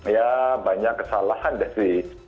ya banyak kesalahan sih